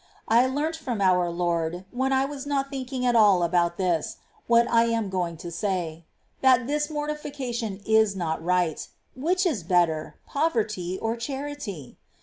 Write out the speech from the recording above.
I learnt from our Lord, when I was not thinking at all about this, what I am going to say :" that this mortification was not right. Whicl is better, poverty or charity